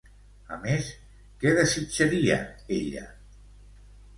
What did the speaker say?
A més, què desitjaria ella?